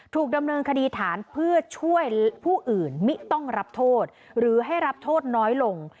ถูกดำเนินคดีฐานเพื่อช่วยผู้อื่นมิต้องรับโทษหรือให้รับโทษน้อยลง